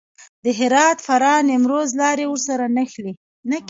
د هرات، فراه، نیمروز لارې ورسره نښلي.